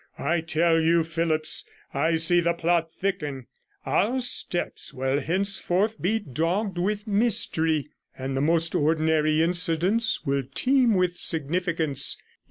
I tell you, Phillipps, I see the plot thicken; our steps will henceforth be dogged with mystery, and the most ordinary incidents will teem with significance.